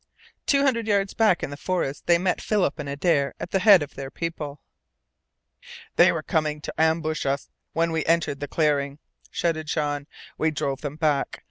Two hundred yards back in the forest they met Philip and Adare at the head of their people. "They were coming to ambush us when we entered the clearing!" shouted Jean. "We drove them back.